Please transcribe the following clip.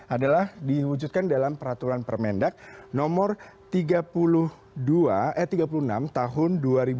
adalah diwujudkan dalam peraturan permendak nomor tiga puluh enam tahun dua ribu dua puluh